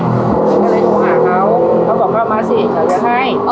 ก็เลยต้องหาเขาเขาบอกว่ามาสิจะเลี้ยงให้